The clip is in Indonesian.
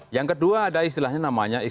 yang kedua ada istilahnya namanya